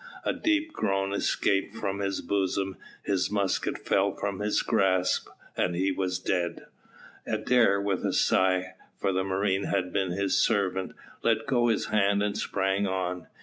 A deep groan escaped from his bosom, his musket fell from his grasp, and he was dead. Adair with a sigh, for the marine had been his servant, let go his hand and sprang on.